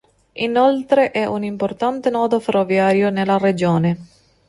Inoltre è un importante nodo ferroviario nella regione.